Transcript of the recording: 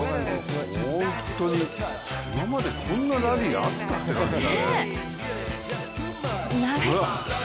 本当に今までこんなラリーあったって感じだな。